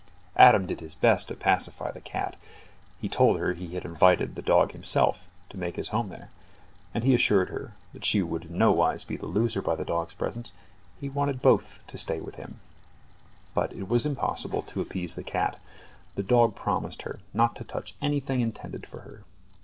Adam did his best to pacify the cat. He told her he had himself invited the dog to make his home there, and he assured her she would in no wise be the loser by the dog's presence; he wanted both to stay with him. But it was impossible to appease the cat. The dog promised her not to touch anything intended for her.